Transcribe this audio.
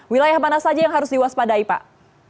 wilayah mana saja yang harus diwaspadai pak